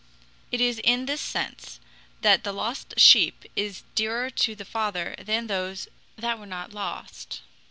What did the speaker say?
It is in this sense that the lost sheep is dearer to the Father than those that were not lost.